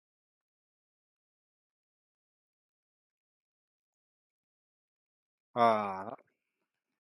Large long barrows like White Barrow and other earthworks were built across the plain.